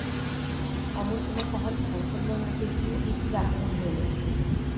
এমন সময় তাঁহার ঘরকন্নার মধ্যে একটি অতিথির আগমন হইল।